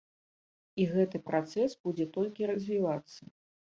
І гэты працэс будзе толькі развівацца.